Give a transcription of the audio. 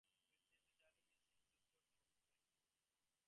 Its name literally means "ancestor of the hill".